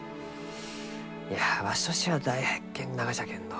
いやわしとしては大発見ながじゃけんど。